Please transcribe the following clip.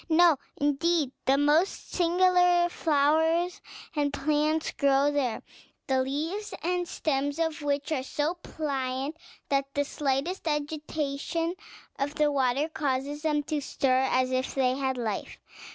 No, indeed; the most singular flowers and plants grow there; the leaves and stems of which are so pliant, that the slightest agitation of the water causes them to stir as if they had life.